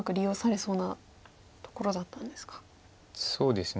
そうですね。